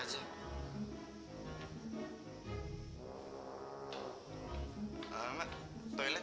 bikin tangan gue kotor aja